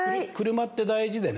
車って大事でね